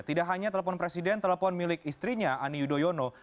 tidak hanya telepon presiden telepon milik istrinya ani yudhoyono